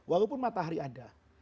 walaupun matahari ada